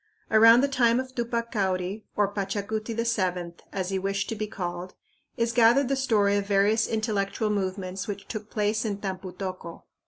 Around the name of Tupac Cauri, or Pachacuti VII, as he wished to be called, is gathered the story of various intellectual movements which took place in Tampu tocco.